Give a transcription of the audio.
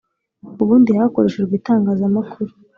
ubundi hakoreshejwe itangazamakuru,